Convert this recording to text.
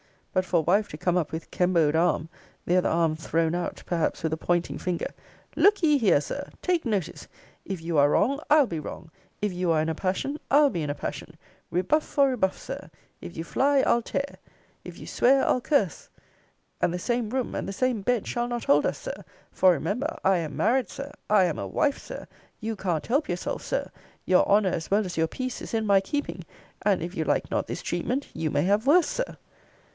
But for a wife to come up with kemboed arm, the other hand thrown out, perhaps with a pointing finger Look ye here, Sir! Take notice! If you are wrong, I'll be wrong! If you are in a passion, I'll be in a passion! Rebuff, for rebuff, Sir! If you fly, I'll tear! If you swear, I'll curse! And the same room, and the same bed, shall not hold us, Sir! For, remember, I am married, Sir! I am a wife, Sir! You can't help yourself, Sir! Your honour, as well as your peace, is in my keeping! And, if you like not this treatment, you may have worse, Sir!